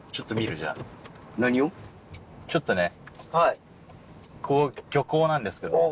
ちょっとね漁港なんですけど。